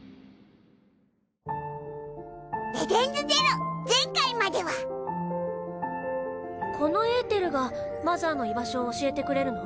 『ＥＤＥＮＳＺＥＲＯ』前回まではこのエーテルがマザーの居場所を教えてくれるの？